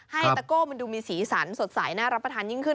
ตะโก้มันดูมีสีสันสดใสน่ารับประทานยิ่งขึ้น